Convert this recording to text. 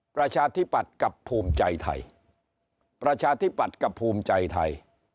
ประชาธิปัตย์กับภูมิใจไทยประชาธิปัตย์กับภูมิใจไทย